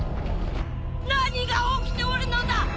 何が起きておるのだ！